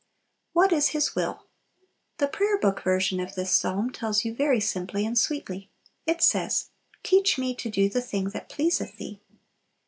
What is His will? The Prayer Book version of this Psalm tells you very simply and sweetly. It says, "Teach me to do the thing that pleaseth Thee."